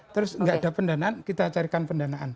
terus nggak ada pendanaan kita carikan pendanaan